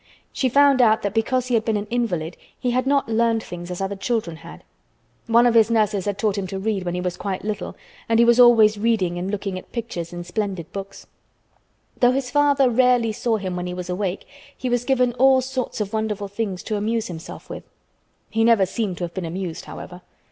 She found out that because he had been an invalid he had not learned things as other children had. One of his nurses had taught him to read when he was quite little and he was always reading and looking at pictures in splendid books. Though his father rarely saw him when he was awake, he was given all sorts of wonderful things to amuse himself with. He never seemed to have been amused, however.